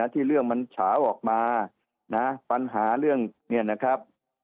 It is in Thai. ที่เรื่องมันฉาออกมานะปัญหาเรื่องเนี่ยนะครับ